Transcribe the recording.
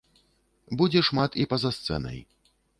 Будзе шмат і па-за сцэнай.